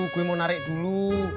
gue mau narik dulu